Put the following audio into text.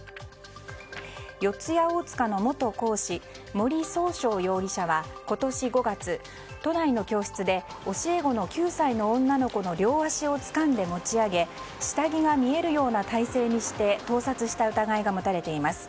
四谷大塚の元講師森崇翔容疑者は今年５月、都内の教室で教え子の９歳の女の子の両足をつかんで持ち上げ下着が見えるような体勢にして盗撮した疑いが持たれています。